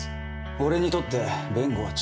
俺にとって弁護は治療だ。